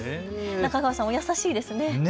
中川さん、お優しいですね。